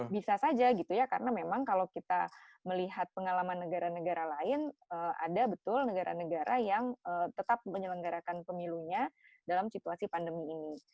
bisa saja gitu ya karena memang kalau kita melihat pengalaman negara negara lain ada betul negara negara yang tetap menyelenggarakan pemilunya dalam situasi pandemi ini